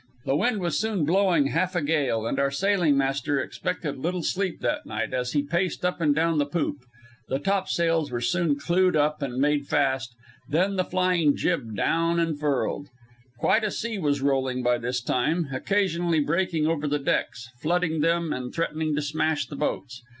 The wind was soon blowing half a gale, and our sailing master expected little sleep that night as he paced up and down the poop. The topsails were soon clewed up and made fast, then the flying jib run down and furled. Quite a sea was rolling by this time, occasionally breaking over the decks, flooding them and threatening to smash the boats.